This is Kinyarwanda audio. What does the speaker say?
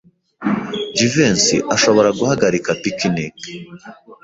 Jivency ashobora guhagarika picnic.